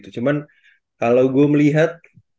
cuman kalau gua melihat